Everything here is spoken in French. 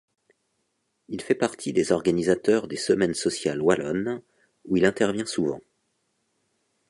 Il fait partie des organisateurs des Semaines Sociales Wallonnes, où il intervient souvent.